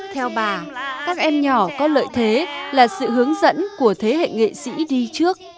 theo bà các em nhỏ có lợi thế là sự hướng dẫn của thế hệ nghệ sĩ đi trước